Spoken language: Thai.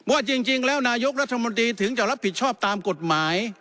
ว่าจริงแล้วนายกรัฐมนตรีถึงจะรับผิดชอบตามกฎหมาย